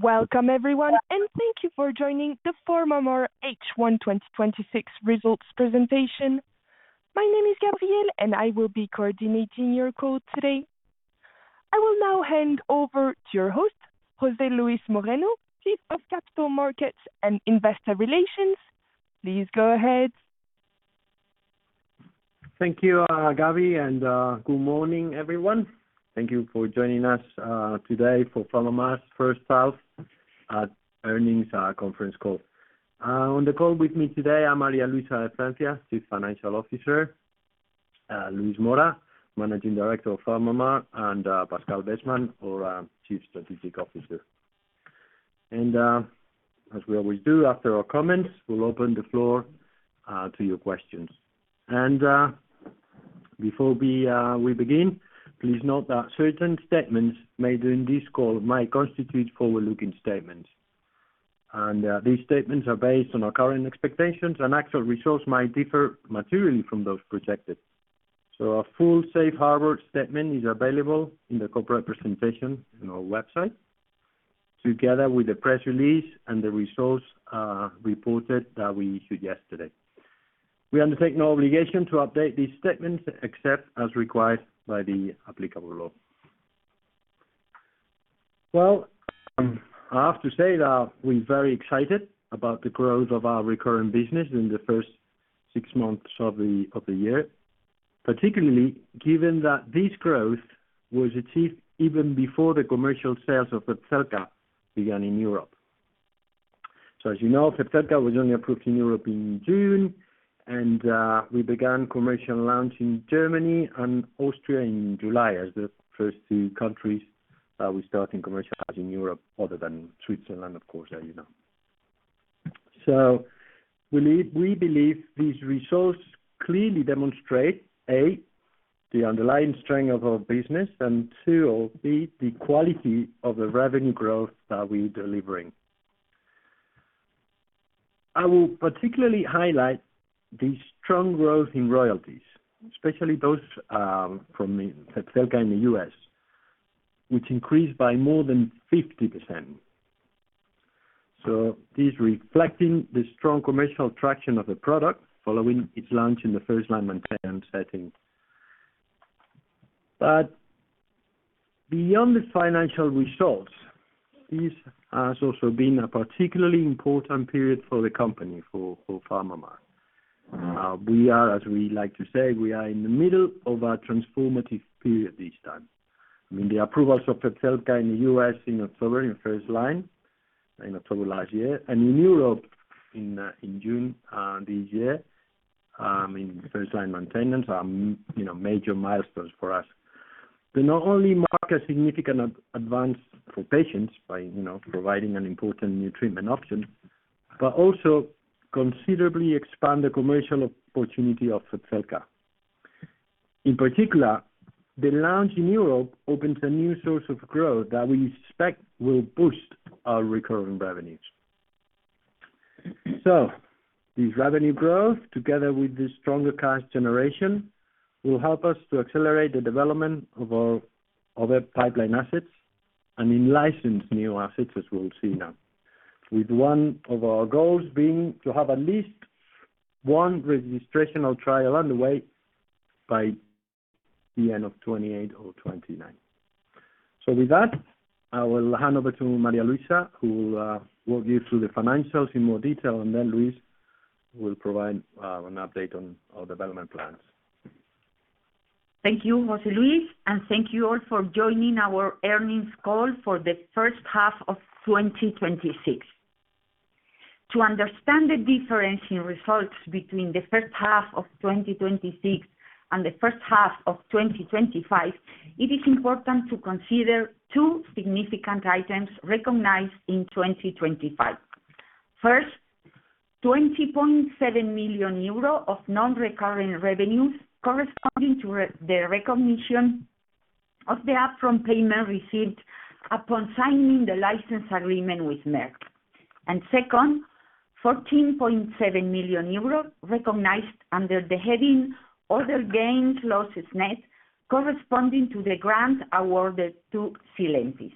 Welcome, everyone, thank you for joining the PharmaMar H1 2026 results presentation. My name is Gabrielle, I will be coordinating your call today. I will now hand over to your host, José Luis Moreno, Chief of Capital Markets and Investor Relations. Please go ahead. Thank you, Gabby, good morning, everyone. Thank you for joining us today for PharmaMar's first half earnings conference call. On the call with me today are María Luisa de Francia, Chief Financial Officer, Luis Mora, Managing Director of PharmaMar, Pascal Besman, our Chief Strategic Officer. As we always do, after our comments, we'll open the floor to your questions. Before we begin, please note that certain statements made during this call might constitute forward-looking statements. These statements are based on our current expectations, actual results might differ materially from those projected. A full safe harbor statement is available in the corporate presentation on our website, together with the press release and the results reported that we issued yesterday. We undertake no obligation to update these statements except as required by the applicable law. Well, I have to say that we're very excited about the growth of our recurring business in the first six months of the year, particularly given that this growth was achieved even before the commercial sales of Zepzelca began in Europe. As you know, Zepzelca was only approved in Europe in June, we began commercial launch in Germany and Austria in July as the first two countries that we start in commercializing Europe other than Switzerland, of course, as you know. We believe these results clearly demonstrate, A, the underlying strength of our business and two, B, the quality of the revenue growth that we're delivering. I will particularly highlight the strong growth in royalties, especially those from Zepzelca in the U.S., which increased by more than 50%. This reflecting the strong commercial traction of the product following its launch in the first-line maintenance setting. Beyond the financial results, this has also been a particularly important period for the company, for PharmaMar. We are, as we like to say, we are in the middle of a transformative period this time. I mean, the approvals of Zepzelca in the U.S. in October in first-line, in October last year, and in Europe in June this year, in first-line maintenance, are major milestones for us. They not only mark a significant advance for patients by providing an important new treatment option, but also considerably expand the commercial opportunity of Zepzelca. In particular, the launch in Europe opens a new source of growth that we expect will boost our recurring revenues. This revenue growth, together with the stronger cash generation, will help us to accelerate the development of our other pipeline assets and in licensed new assets, as we'll see now. With one of our goals being to have at least one registrational trial underway by the end of 2028 or 2029. With that, I will hand over to María Luisa, who will walk you through the financials in more detail, and then Luis will provide an update on our development plans. Thank you, José Luis, and thank you all for joining our earnings call for the first half of 2026. To understand the difference in results between the first half of 2026 and the first half of 2025, it is important to consider two significant items recognized in 2025. First, 20.7 million euro of non-recurring revenues corresponding to the recognition of the upfront payment received upon signing the license agreement with Merck. Second, 14.7 million euros recognized under the heading, other gains, losses net, corresponding to the grant awarded to Sylentis.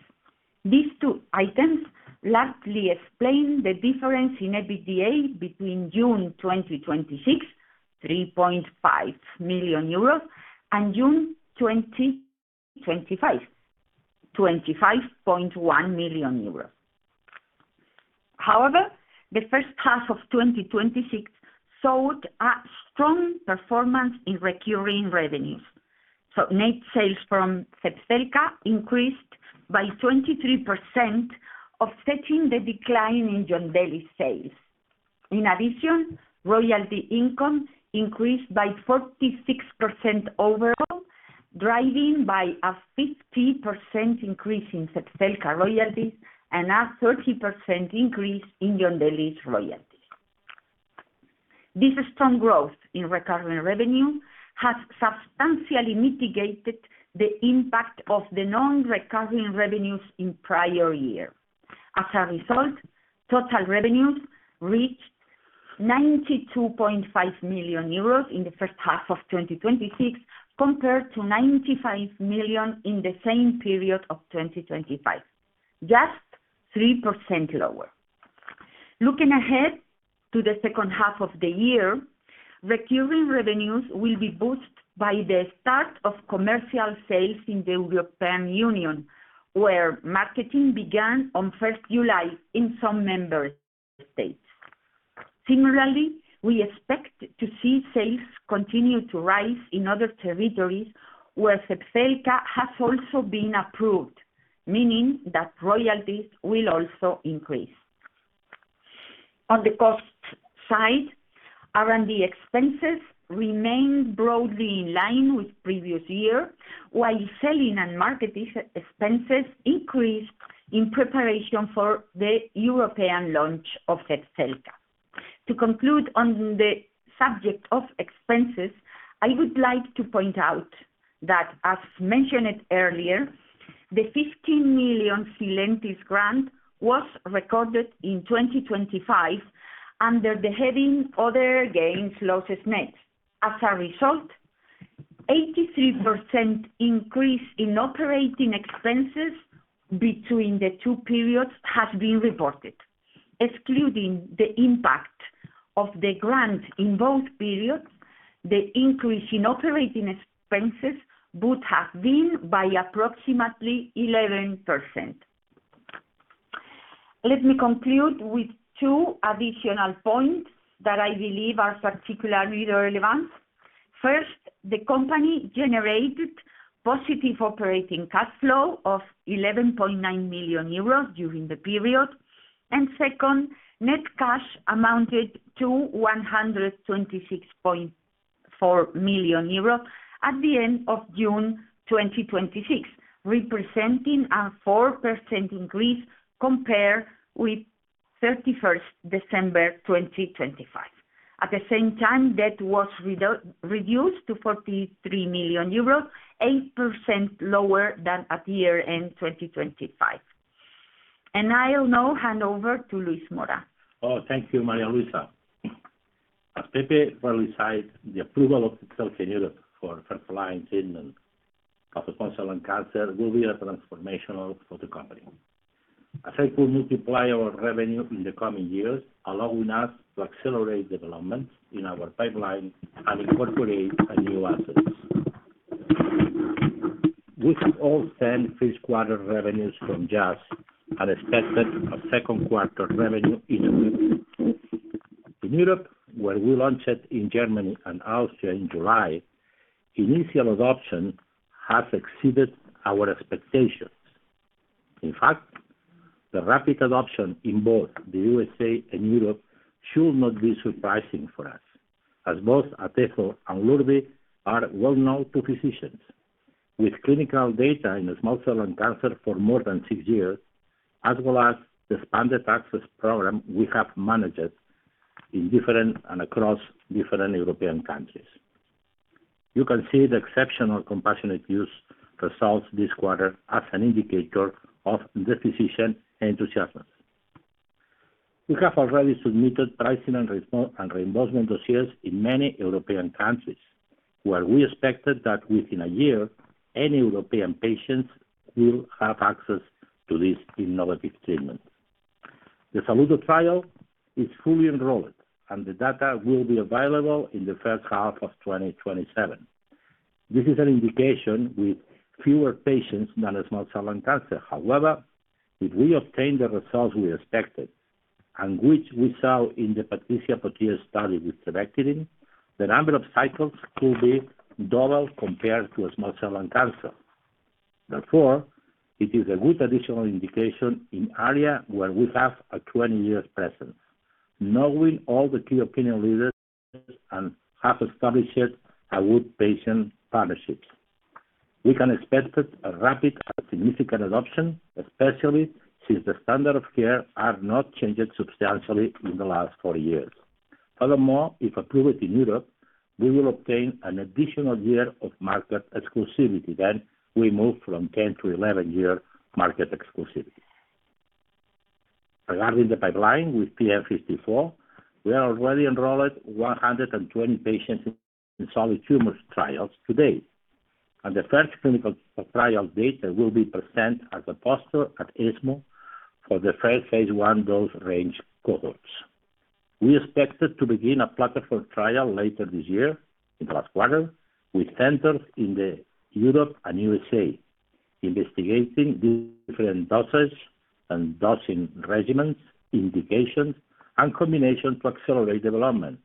These two items largely explain the difference in EBITDA between June 2026, 3.5 million euros, and June 2025, 25.1 million euros. However, the first half of 2026 showed a strong performance in recurring revenues. Net sales from Zepzelca increased by 23%, offsetting the decline in Yondelis sales. In addition, royalty income increased by 46% overall, driving by a 50% increase in Zepzelca royalties and a 30% increase in Yondelis' royalties. This strong growth in recurring revenue has substantially mitigated the impact of the non-recurring revenues in prior year. As a result, total revenues reached 92.5 million euros in the first half of 2026, compared to 95 million in the same period of 2025, just 3% lower. Looking ahead to the second half of the year, recurring revenues will be boosted by the start of commercial sales in the European Union, where marketing began on 1st July in some member states. Similarly, we expect to see sales continue to rise in other territories where Zepzelca has also been approved, meaning that royalties will also increase. On the cost side, R&D expenses remained broadly in line with previous year, while selling and marketing expenses increased in preparation for the European launch of Zepzelca. To conclude on the subject of expenses, I would like to point out that, as mentioned earlier, the 15 million Sylentis grant was recorded in 2025 under the heading, other gains losses net. As a result, 83% increase in operating expenses between the two periods has been reported. Excluding the impact of the grant in both periods, the increase in operating expenses would have been by approximately 11%. Let me conclude with two additional points that I believe are particularly relevant. First, the company generated positive operating cash flow of 11.9 million euros during the period. Second, net cash amounted to 126.4 million euros at the end of June 2026, representing a 4% increase compared with 31st December 2025. At the same time, debt was reduced to 43 million euros, 8% lower than at year-end 2025. I'll now hand over to Luis Mora. Thank you, María Luisa. As Pepe well said, the approval of Zepzelca in Europe for first-line treatment of small cell lung cancer will be transformational for the company. I think we'll multiply our revenue in the coming years, allowing us to accelerate development in our pipeline and incorporate new assets. This is all send third quarter revenues from just an expected a second-quarter revenue increase. In Europe, where we launched in Germany and Austria in July, initial adoption has exceeded our expectations. In fact, the rapid adoption in both the U.S.A. and Europe should not be surprising for us, as both atezolizumab and Lurbi are well known to physicians. With clinical data in the small cell lung cancer for more than six years, as well as the expanded access program we have managed across different European countries. You can see the exceptional compassionate use results this quarter as an indicator of the physician enthusiasm. We have already submitted pricing and reimbursement dossiers in many European countries, where we expected that within a year, any European patients will have access to this innovative treatment. The SALUDO trial is fully enrolled, and the data will be available in the first half of 2027. This is an indication with fewer patients than small cell lung cancer. However, if we obtain the results we expected, and which we saw in the Patricia Pautier study with trabectedin, the number of cycles could be double compared to a small cell lung cancer. Therefore, it is a good additional indication in area where we have a 20-year presence, knowing all the key opinion leaders and have established a good patient partnership. We can expect a rapid and significant adoption, especially since the standard of care are not changed substantially in the last four years. If approved in Europe, we will obtain an additional year of market exclusivity. We move from 10- to 11-year market exclusivity. Regarding the pipeline with PM534, we already enrolled 120 patients in solid tumors trials to date. The first clinical trial data will be presented as a poster at ESMO for the first phase I dose range cohorts. We expect to begin a platform trial later this year, in last quarter, with centers in the Europe and U.S.A., investigating different dosage and dosing regimens, indications, and combination to accelerate development.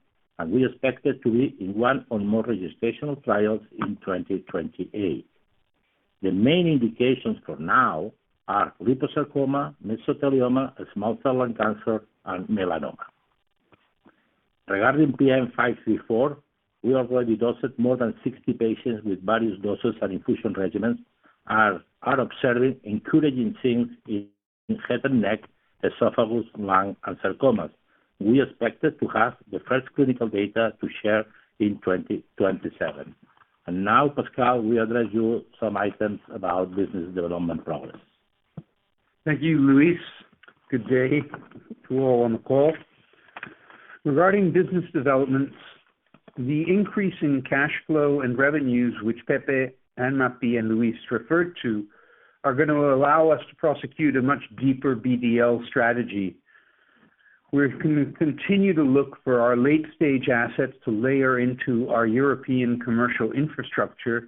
We expect it to be in one or more registrational trials in 2028. The main indications for now are liposarcoma, mesothelioma, small cell lung cancer, and melanoma. Regarding PM534, we already dosed more than 60 patients with various doses and infusion regimens, are observing encouraging things in head and neck, esophagus, lung, and sarcomas. We expect to have the first clinical data to share in 2027. Now, Pascal, we address you some items about business development progress. Thank you, Luis. Good day to all on the call. Regarding business developments, the increase in cash flow and revenues, which Pepe and Mapi and Luis referred to, are going to allow us to prosecute a much deeper BD&L strategy. We're going to continue to look for our late-stage assets to layer into our European commercial infrastructure.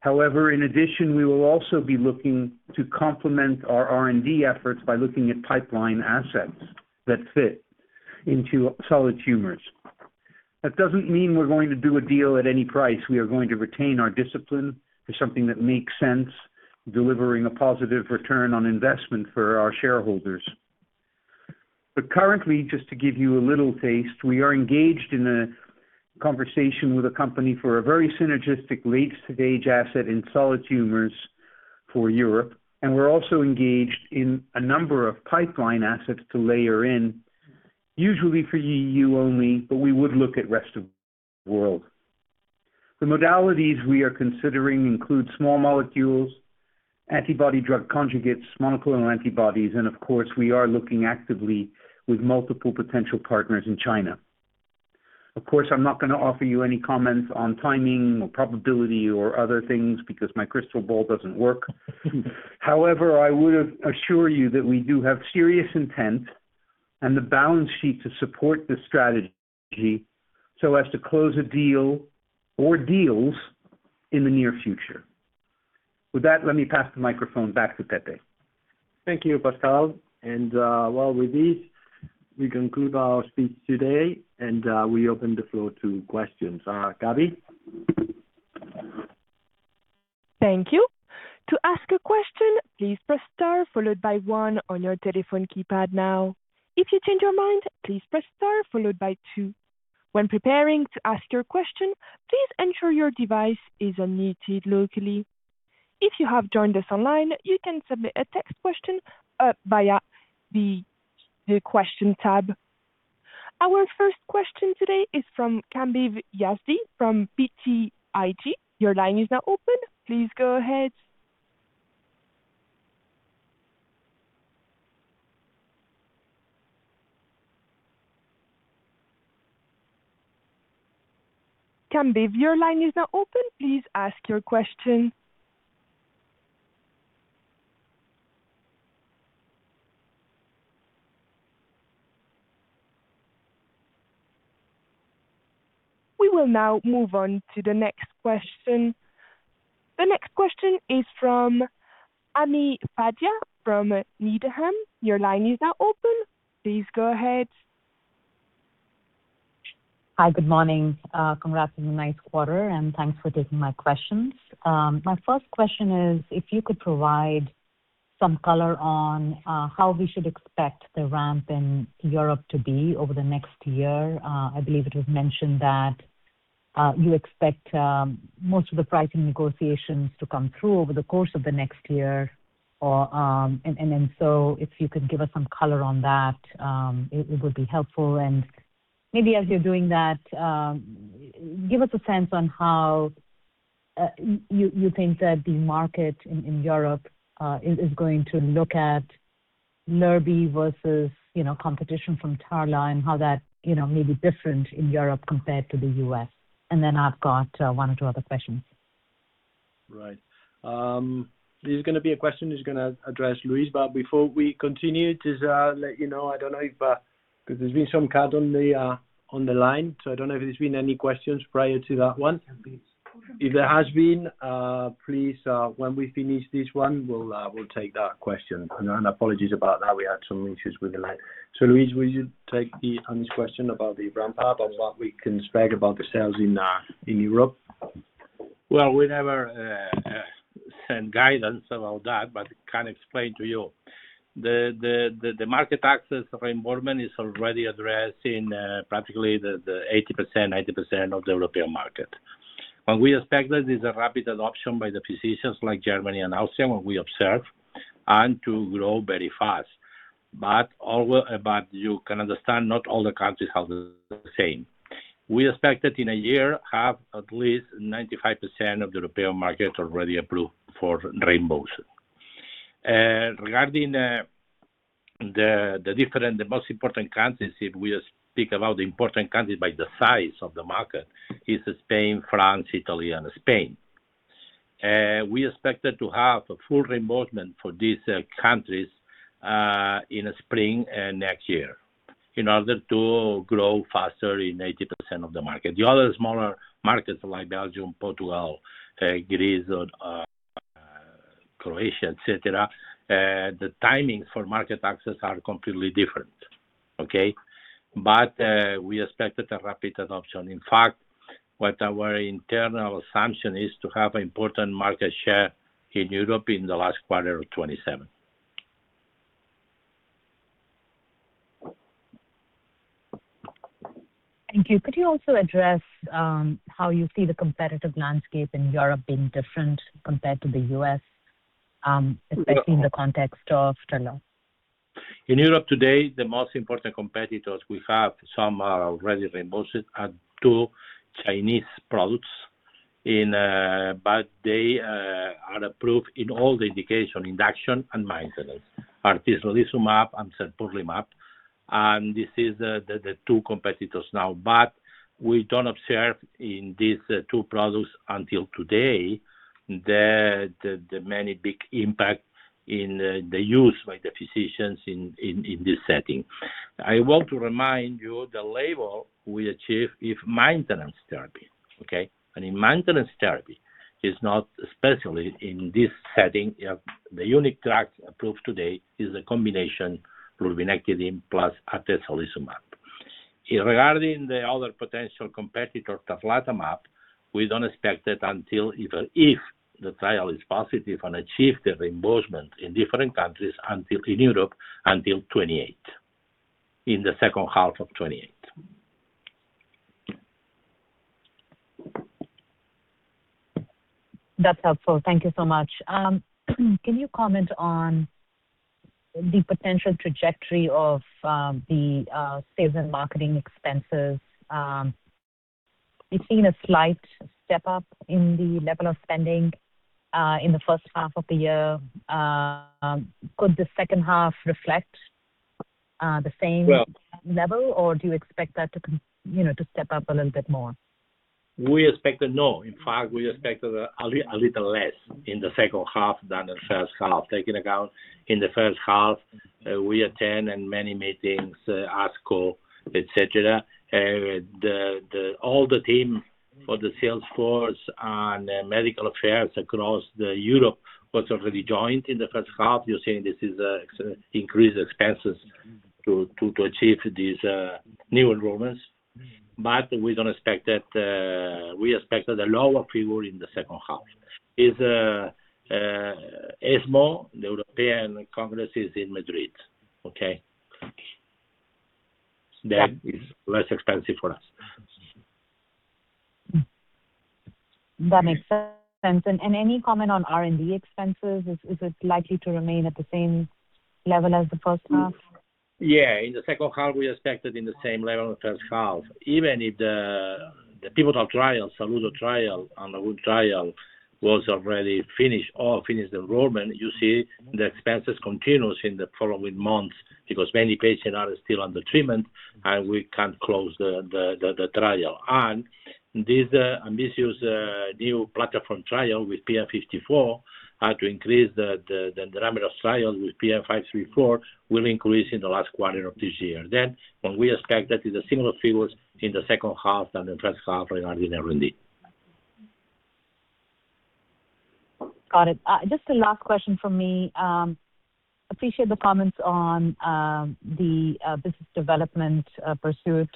However, in addition, we will also be looking to complement our R&D efforts by looking at pipeline assets that fit into solid tumors. That doesn't mean we're going to do a deal at any price. We are going to retain our discipline for something that makes sense, delivering a positive return on investment for our shareholders. Currently, just to give you a little taste, we are engaged in a conversation with a company for a very synergistic late-stage asset in solid tumors for Europe, and we're also engaged in a number of pipeline assets to layer in, usually for EU only, but we would look at rest of world. The modalities we are considering include small molecules, antibody-drug conjugates, monoclonal antibodies. Of course, we are looking actively with multiple potential partners in China. Of course, I'm not going to offer you any comments on timing or probability or other things because my crystal ball doesn't work. However, I would assure you that we do have serious intent and the balance sheet to support this strategy so as to close a deal or deals in the near future. With that, let me pass the microphone back to Pepe. Thank you, Pascal. Well, with this, we conclude our speech today, and we open the floor to questions. Gabby? Thank you. To ask a question, please press star followed by one on your telephone keypad now. If you change your mind, please press star followed by two. When preparing to ask your question, please ensure your device is unmuted locally. If you have joined us online, you can submit a text question via the question tab. Our first question today is from Kambiz Yazdi from BTIG. Your line is now open. Please go ahead. Kambiz, your line is now open. Please ask your question. We will now move on to the next question. The next question is from Ami Fadia from Needham. Your line is now open. Please go ahead. Hi. Good morning. Congrats on a nice quarter, and thanks for taking my questions. My first question is if you could provide some color on how we should expect the ramp in Europe to be over the next year. If you could give us some color on that, it would be helpful. I believe it was mentioned that you expect most of the pricing negotiations to come through over the course of the next year. I've got one or two other questions. Maybe as you're doing that, give us a sense on how you think that the market in Europe is going to look at Lurbi versus competition from tarlatamab and how that may be different in Europe compared to the U.S. Then I've got, one or two other question. Right. This is going to be a question that's going to address Luis. But before we continue, just to let you know, I don't know if because there's been some cut on the line, so I don't know if there's been any questions prior to that one. If there has been, please, when we finish this one, we'll take that question. And apologies about that. We had some issues with the line. So Luis, will you take Ami's question about the ramp up and what we can expect about the sales in Europe? Well, we never send guidance about that, but I can explain to you. The market access reimbursement is already addressed in practically the 80%-90% of the European market. We expect that there's a rapid adoption by the physicians like Germany and Austria, what we observed, and to grow very fast. But you can understand not all the countries have the same. We expect that in a year, have at least 95% of the European market already approved for reimbursements. Regarding the most important countries, if we speak about the important countries by the size of the market is Spain, France, Italy and Spain. We expected to have a full reimbursement for these countries in spring next year in order to grow faster in 80% of the market. The other smaller markets like Belgium, Portugal, Greece, Croatia, et cetera, the timing for market access are completely different. Okay? We expected a rapid adoption. In fact, what our internal assumption is to have important market share in Europe in the last quarter of 2027. Thank you. Could you also address how you see the competitive landscape in Europe being different compared to the U.S., especially in the context of tarlatamab? In Europe today, the most important competitors we have, some are already reimbursed, are two Chinese products. They are approved in all the indication, induction and maintenance, are tarlatamab and serplulimab. This is the two competitors now. We don't observe in these two products until today, the many big impact in the use by the physicians in this setting. I want to remind you, the label we achieve is maintenance therapy. Okay. In maintenance therapy, it's not, especially in this setting, the unique drug approved today is a combination lurbinectedin plus atezolizumab. Regarding the other potential competitor, tarlatamab, we don't expect it until, even if the trial is positive and achieve the reimbursement in different countries in Europe until 2028. In the second half of 2028. That's helpful. Thank you so much. Can you comment on the potential trajectory of the sales and marketing expenses? We've seen a slight step up in the level of spending, in the first half of the year. Could the second half reflect the same- Well. level or do you expect that to step up a little bit more? We expect that no. In fact, we expect a little less in the second half than the first half. Taking account in the first half, we attend in many meetings, ASCO, et cetera. All the team for the sales force and medical affairs across Europe was already joined in the first half. You're saying this is increased expenses to achieve these new enrollments. We expect that the lower figure in the second half. ESMO, the European Congress, is in Madrid. Okay? That is less expensive for us. That makes sense. Any comment on R&D expenses? Is it likely to remain at the same level as the first half? Yeah. In the second half, we expect it in the same level as first half. Even if the pivotal trial, SALUDO trial and the LAGOON trial was already finished or finished enrollment, you see the expenses continues in the following months because many patients are still under treatment and we can't close the trial. This ambitious new platform trial with PM534 had to increase the number of trials with PM534 will increase in the last quarter of this year. When we expect that is a similar figures in the second half than the first half regarding the R&D. Got it. Just a last question from me. Appreciate the comments on the business development pursuit.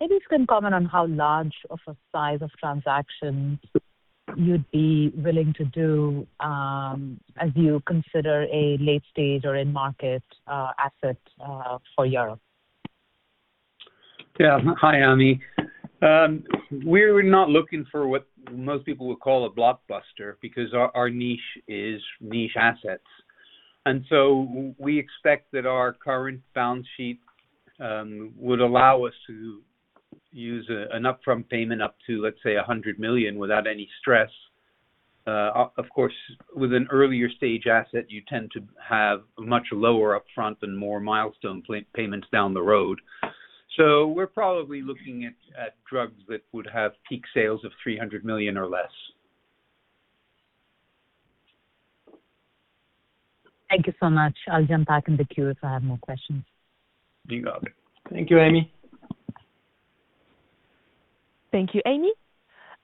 Maybe if you can comment on how large of a size of transaction you'd be willing to do, as you consider a late-stage or end-market asset for Europe. Yeah. Hi, Ami. We're not looking for what most people would call a blockbuster because our niche is niche assets. We expect that our current balance sheet would allow us to use an upfront payment up to, let's say, 100 million without any stress. Of course, with an earlier stage asset, you tend to have a much lower upfront and more milestone payments down the road. We're probably looking at drugs that would have peak sales of 300 million or less. Thank you so much. I'll jump back in the queue if I have more questions. You got it. Thank you, Ami. Thank you, Ami.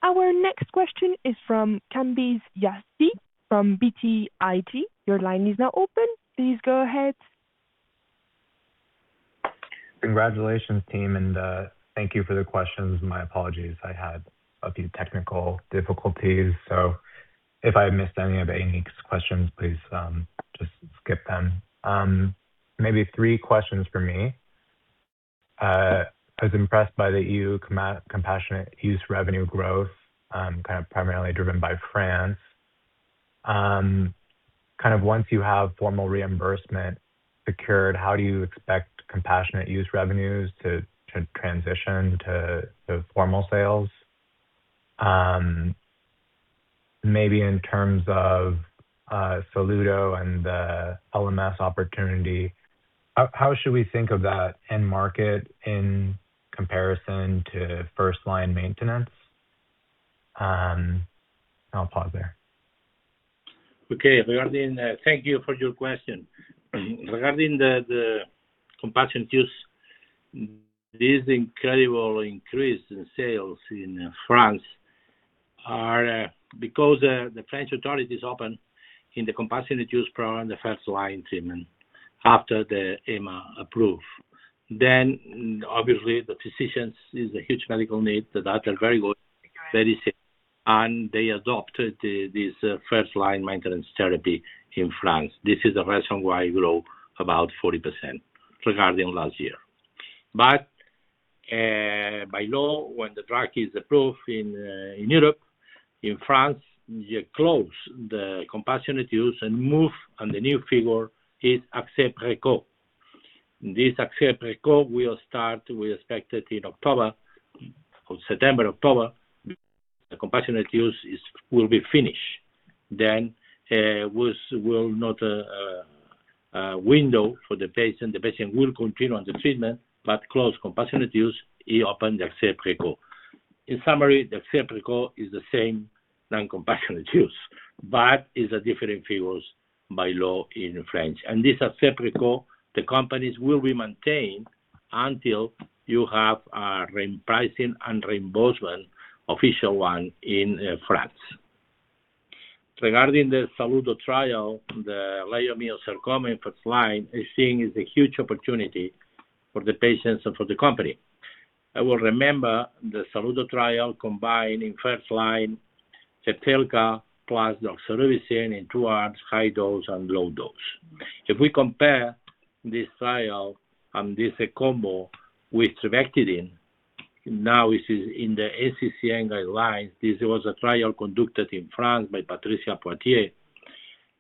Our next question is from Kambiz Yazdi from BTIG. Your line is now open. Please go ahead. Congratulations, team, and thank you for the questions. My apologies, I had a few technical difficulties. If I missed any of Ami's questions, please just skip them. Maybe three questions from me. I was impressed by the EU Compassionate Use revenue growth, kind of primarily driven by France. Once you have formal reimbursement secured, how do you expect Compassionate Use revenues to transition to formal sales? Maybe in terms of SALUDO and the LMS opportunity, how should we think of that end market in comparison to first-line maintenance? I'll pause there. Okay. Thank you for your question. Regarding the Compassionate Use, this incredible increase in sales in France are because the French authorities opened in the Compassionate Use program, the first-line treatment after the EMA approved. Obviously, the physicians, it's a huge medical need. The data are very good, very safe. They adopted this first-line maintenance therapy in France. This is the reason why it grow about 40% regarding last year. By law, when the drug is approved in Europe, in France, you close the Compassionate Use and move, and the new figure is accès précoce. This accès précoce will start, we expect it in October. September, October, the Compassionate Use will be finished. There will not a window for the patient. The patient will continue on the treatment, but close Compassionate Use, it open the accès précoce. In summary, the accès précoce is the same than compassionate use, but is a different figures by law in French. This accès précoce, the companies will be maintained until you have a repricing and reimbursement, official one in France. Regarding the SALUDO trial, the leiomyosarcoma in first line is seen as a huge opportunity for the patients and for the company. I will remember the SALUDO trial combined in first line, Zepzelca plus doxorubicin in two arms, high dose and low dose. If we compare this trial and this combo with trabectedin, now it is in the NCCN guidelines. This was a trial conducted in France by Patricia Pautier.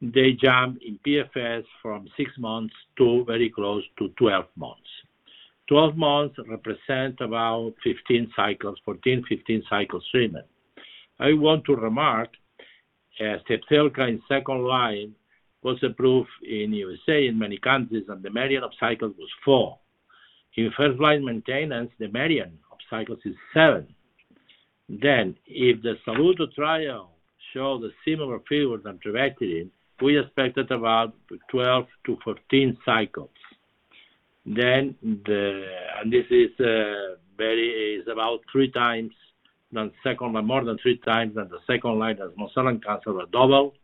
They jumped in PFS from six months to very close to 12 months. 12 months represent about 14, 15 cycles treatment. I want to remark, Zepzelca in second line was approved in U.S.A., in many countries, and the median of cycles was four. In first-line maintenance, the median of cycles is seven. If the SALUDO trial show the similar figures than trabectedin, we expect at about 12-14 cycles. This is about more than three times than the second line, as most solid cancer are double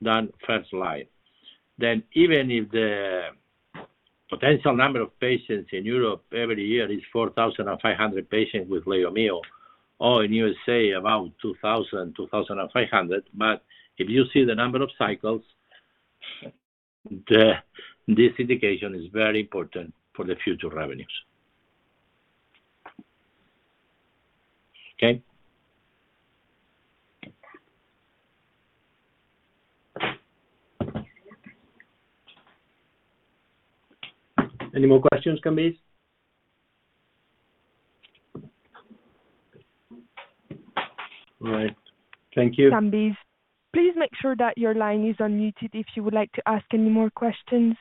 than first line. Even if the potential number of patients in Europe every year is 4,500 patients with leiomyo, or in U.S.A., about 2,000-2,500. If you see the number of cycles, this indication is very important for the future revenues. Okay. Any more questions, Kambiz? All right. Thank you. Kambiz, please make sure that your line is unmuted if you would like to ask any more questions.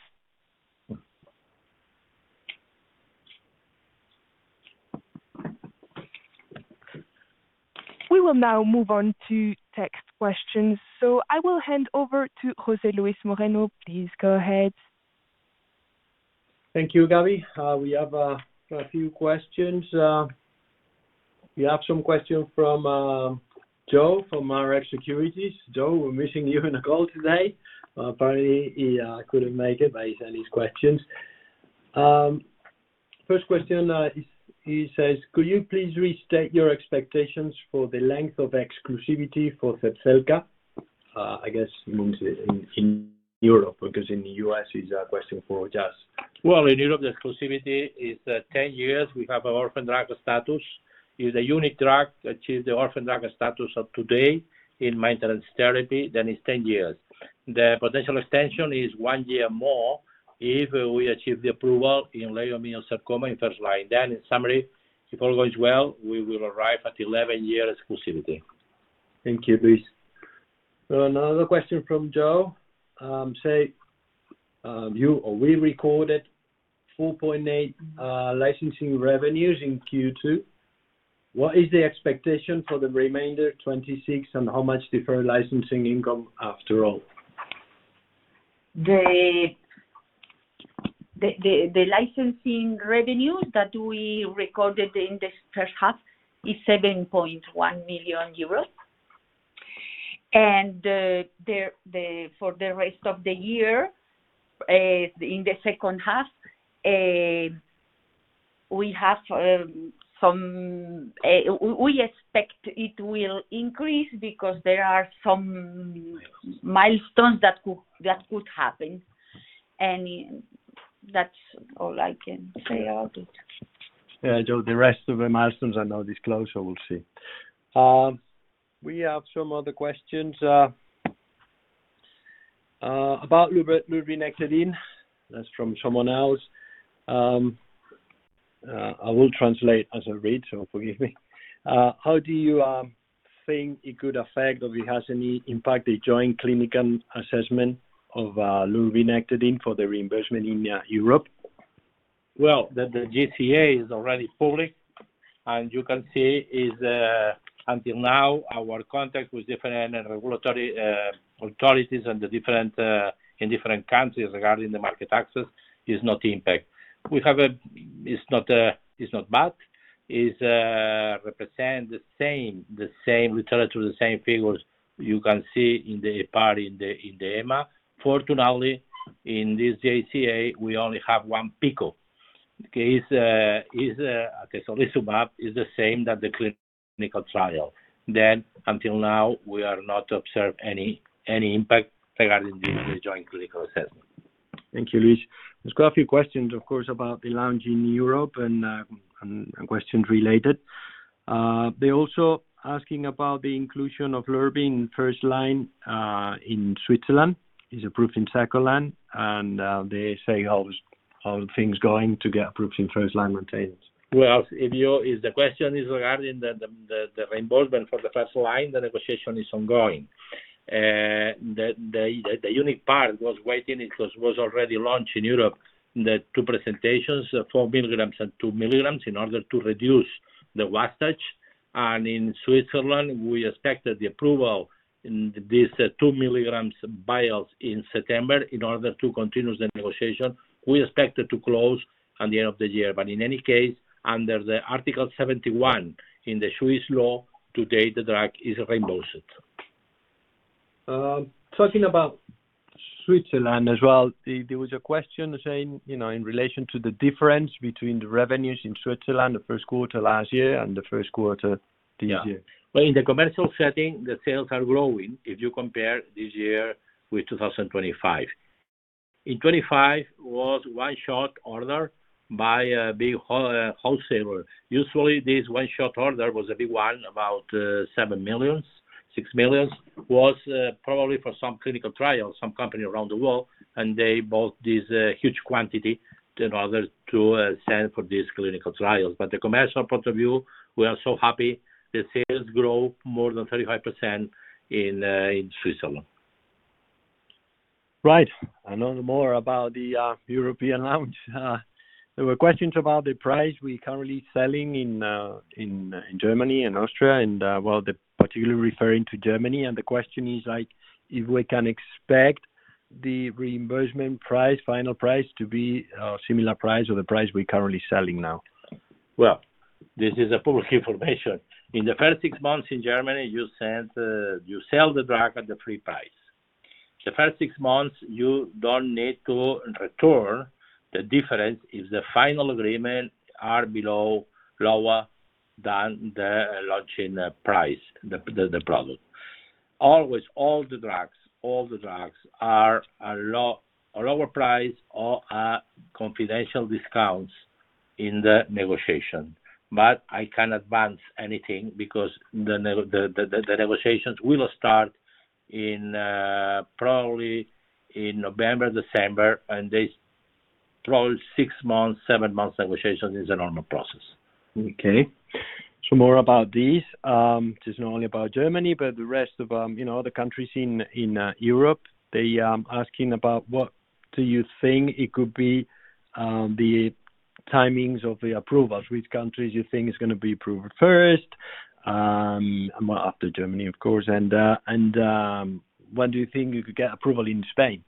We will now move on to text questions. I will hand over to José Luis Moreno. Please go ahead. Thank you, Gabby. We have a few questions. We have some questions from Joe from Regions Financial. Joe, we're missing you in the call today. Apparently, he couldn't make it, but he sent his questions. First question, he says, "Could you please restate your expectations for the length of exclusivity for Zepzelca?" I guess he means in Europe, because in the U.S. is a question for. Well, in Europe, the exclusivity is 10 years. We have Orphan Drug Status. It is a unique drug, achieve the Orphan Drug Status of today in maintenance therapy, then is 10 years. The potential extension is one-year more if we achieve the approval in leiomyosarcoma in first line. In summary, if all goes well, we will arrive at 11 years exclusivity. Thank you, Luis. Another question from Joe. Say, you or we recorded 4.8 million licensing revenues in Q2. What is the expectation for the remainder 2026? How much deferred licensing income after all? The licensing revenue that we recorded in this first half is 7.1 million euros. For the rest of the year, in the second half, we expect it will increase because there are some milestones that could happen. That's all I can say about it. Yeah, Joe, the rest of the milestones are not disclosed. We'll see. We have some other questions, about lurbinectedin. That is from someone else. I will translate as I read, so forgive me. How do you think it could affect, or it has any impact, the joint clinical assessment of lurbinectedin for the reimbursement in Europe? The JCA is already public, and you can see is, until now, our contact with different regulatory authorities in different countries regarding the market access is not impact. It is not bad. It represent literally the same figures you can see in the EMA. Fortunately, in this JCA, we only have one PICO. Okay. The atezolizumab is the same that the clinical trial. Until now, we are not observed any impact regarding this, the joint clinical assessment. Thank you, Luis. There is quite a few questions, of course, about the launch in Europe and questions related. They are also asking about the inclusion of Lurbi in first line in Switzerland. It is approved in second line, and they say, how are things going to get approved in first-line maintenance? If the question is regarding the reimbursement for the first line, the negotiation is ongoing. The unique part was waiting because it was already launched in Europe in the two presentations, 4 mg and 2 mg, in order to reduce the wastage. In Switzerland, we expected the approval in this 2 mg vials in September in order to continue the negotiation. We expect it to close at the end of the year. In any case, under the Article 71 in the Swiss law, today the drug is reimbursed. Talking about Switzerland as well, there was a question saying in relation to the difference between the revenues in Switzerland the first quarter last year and the first quarter this year. Yeah. Well, in the commercial setting, the sales are growing if you compare this year with 2025. In 2025 was one short order by a big wholesaler. Usually, this one short order was a big one, about 7 million, 6 million, was probably for some clinical trial, some company around the world, and they bought this huge quantity in order to sell for these clinical trials. The commercial point of view, we are so happy the sales grow more than 35% in Switzerland. Right. More about the European launch. There were questions about the price we currently selling in Germany and Austria, well, they're particularly referring to Germany. The question is if we can expect the reimbursement price, final price, to be a similar price or the price we're currently selling now. Well, this is public information. In the first six months in Germany, you sell the drug at the free price. The first six months, you don't need to return the difference if the final agreement are below, lower than the launching price, the product. Always, all the drugs are a lower price or at confidential discounts in the negotiation. I can't advance anything because the negotiations will start probably in November, December, and they probably six months, seven months negotiation is a normal process. Okay. More about this. This is not only about Germany, but the rest of other countries in Europe. They are asking about what do you think it could be the timings of the approvals, which countries you think is going to be approved first, after Germany, of course, and when do you think you could get approval in Spain?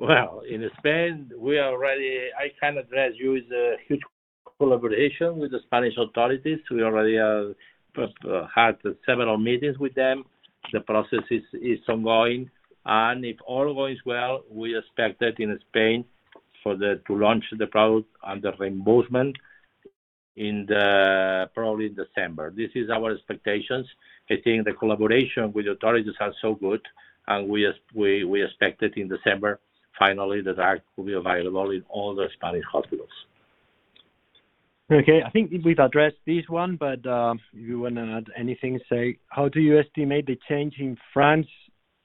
Well, in Spain, I can address you with a huge collaboration with the Spanish authorities. We already have had several meetings with them. The process is ongoing, and if all goes well, we expect that in Spain to launch the product under reimbursement probably in December. This is our expectations. I think the collaboration with the authorities are so good, and we expect it in December, finally, the drug will be available in all the Spanish hospitals. Okay. I think we've addressed this one, but if you want to add anything, say, how do you estimate the change in France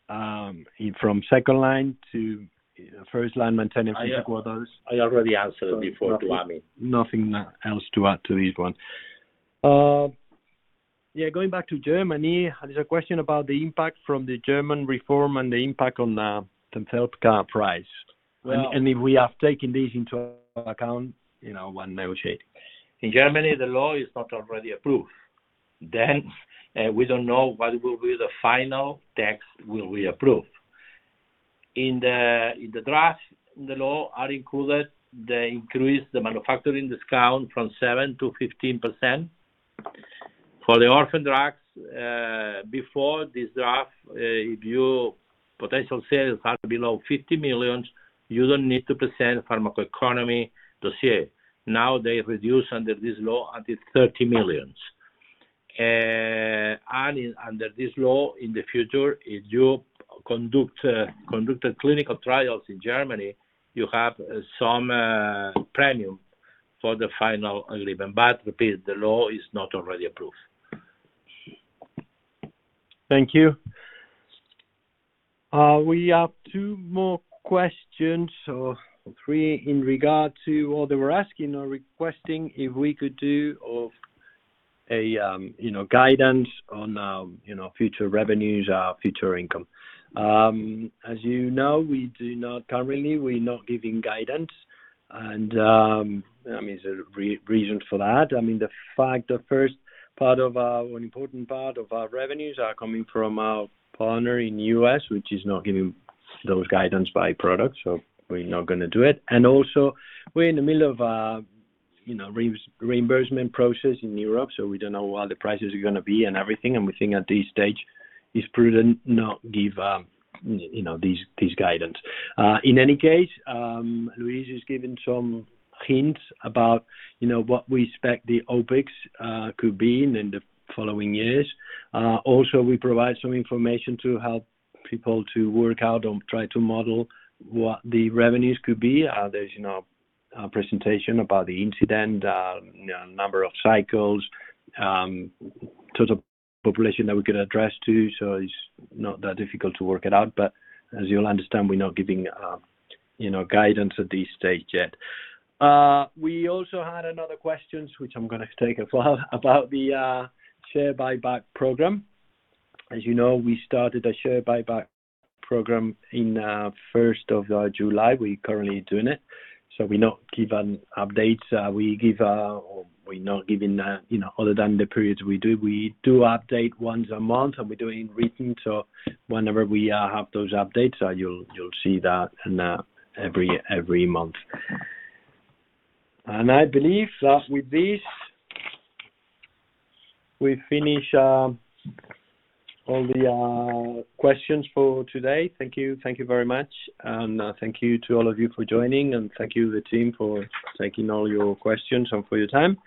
from second-line to first-line maintenance? I already answered before to Ami. Nothing else to add to this one. Yeah, going back to Germany, there's a question about the impact from the German reform and the impact on the health care price. Well- If we have taken this into account when negotiating. In Germany, the law is not already approved. We don't know what will be the final text will be approved. In the draft, the law are included, they increase the manufacturing discount from 7%-15%. For the orphan drugs, before this draft, if your potential sales are below 50 million, you don't need to present pharmacoeconomic dossier. Now they reduce under this law at 30 million. Under this law in the future, if you conduct clinical trials in Germany, you have some premium for the final agreement. I repeat, the law is not already approved. Thank you. We have two more questions or three in regard to all they were asking or requesting if we could do a guidance on future revenues or future income. As you know, currently, we're not giving guidance, and there's a reason for that. I mean the fact, the first part of our, an important part of our revenues are coming from our partner in U.S., which is not giving those guidance by product, so we're not going to do it. Also, we're in the middle of a reimbursement process in Europe, so we don't know what the prices are going to be and everything. We think at this stage it's prudent not give these guidance. In any case, Luis has given some hints about what we expect the OPEX could be in the following years. We provide some information to help people to work out or try to model what the revenues could be. There's a presentation about the incident, number of cycles, total population that we could address to. It's not that difficult to work it out. As you'll understand, we're not giving guidance at this stage yet. We also had another question, which I'm going to take as well, about the share buyback program. As you know, we started a share buyback program in the 1st of July. We're currently doing it. We're not giving updates. We're not giving other than the periods we do. We do update once a month, and we do it in written, whenever we have those updates, you'll see that every month. I believe with this, we finish all the questions for today. Thank you. Thank you very much. Thank you to all of you for joining, thank you, the team, for taking all your questions and for your time.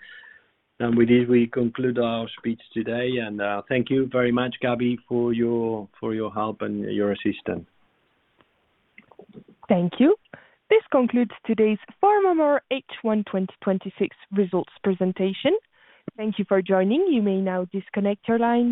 With this, we conclude our speech today. Thank you very much, Gabby, for your help and your assistance. Thank you. This concludes today's PharmaMar H1 2026 results presentation. Thank you for joining. You may now disconnect your lines.